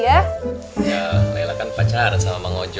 ya laila kan pacaran sama bang ojo